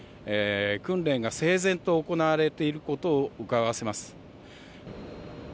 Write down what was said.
訓練が整然と行われていることをうかがわせます。